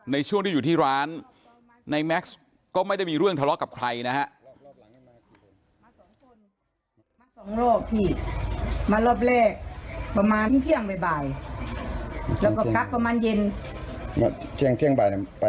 ในช่วงที่อยู่ที่ร้านในแม็กซ์ก็ไม่ได้มีเรื่องทะเลาะกับใครนะฮะ